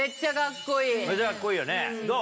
めっちゃカッコいいよねどう？